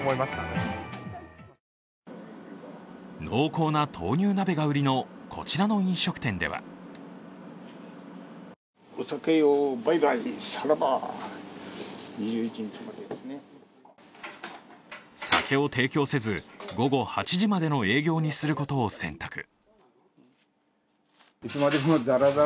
濃厚な豆乳鍋が売りのこちらの飲食店では酒を提供せず午後８時までの営業にすることを選択。